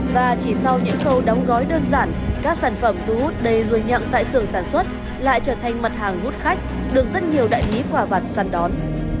và chỉ sau những khâu đóng gói đơn giản các sản phẩm thu hút đầy ruồi nhặng tại xưởng sản xuất lại trở thành mặt hàng hút khách được rất nhiều đại lý quả vặt săn đón